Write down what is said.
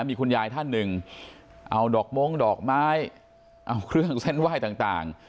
มีคุณยายท่านหนึ่งเอาดอกม้งดอกไม้เอาเครื่องเส้นไหว้ต่าง